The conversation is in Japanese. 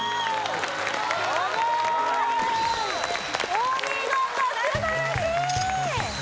お見事素晴らしい！